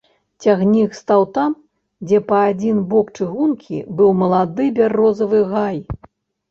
Цягнік стаў там, дзе па адзін бок чыгункі быў малады бярозавы гай.